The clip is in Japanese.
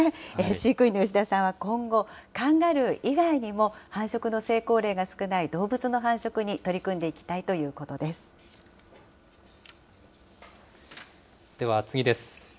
飼育員の吉田さんは今後、カンガルー以外にも繁殖の成功例が少ない動物の繁殖に取り組んででは次です。